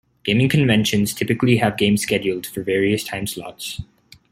Gaming conventions typically have games scheduled for various time slots.